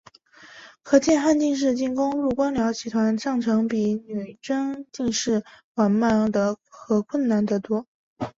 可见汉进士进入官僚集团上层要比女真进士缓慢和困难得多。